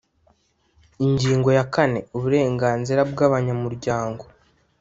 Ingingo ya kane: Uburenganzira bw’abanyamuryango